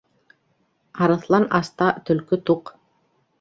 Арыҫлан аста төлкө туҡ.